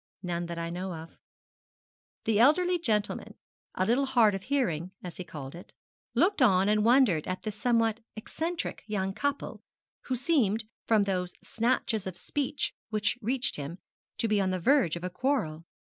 'None that I know of.' The elderly gentleman, a little hard of hearing, as he called it, looked on and wondered at this somewhat eccentric young couple, who seemed, from those snatches of speech which reached him, to be on the verge of a quarrel.